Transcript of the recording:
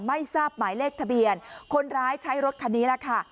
ไม่ทราบหมายเลขทะเบียนคนร้ายใช้รถคันนี้แหละค่ะ